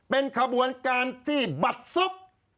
เป็นขบวนการที่บัดซุบ